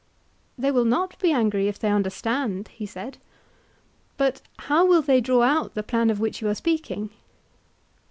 They will not be angry if they understand, he said. But how will they draw out the plan of which you are speaking?